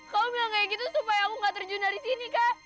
kau bilang kayak gitu supaya aku nggak terjun dari sini kak